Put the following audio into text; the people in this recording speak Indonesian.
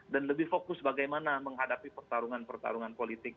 dan lebih fokus bagaimana menghadapi pertarungan pertarungan politik